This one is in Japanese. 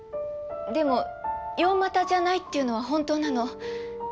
でも４股じゃないっていうのは本当なの。